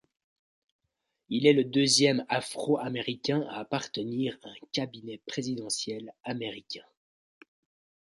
Il est le deuxième Afro-Américain à appartenir à un cabinet présidentiel américain.